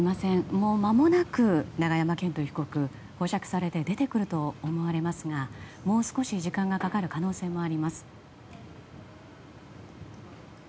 もうまもなく永山絢斗被告保釈されて出てくると思われますがもう少し時間がかかる可能性もあります。